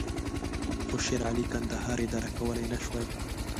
خو شېرعلي کندهار اداره کولای نه شوای.